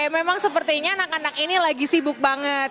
memang sepertinya anak anak ini lagi sibuk banget